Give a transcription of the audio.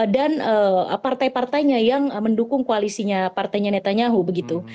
dan partai partainya yang mendukung koalisinya partainya netanyahu begitu